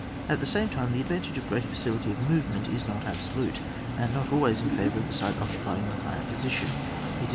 At the same time the advantage of greater facility of movement is not ab solute, and not always in favour of the side occupying the higher position ; it is.